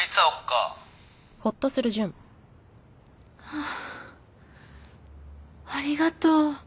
はぁありがとう。